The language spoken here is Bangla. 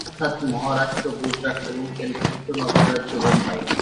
অর্থাৎ, মহারাষ্ট্র, গুজরাট এবং কেন্দ্রশাসিত নগর-রাজ্য বোম্বাই।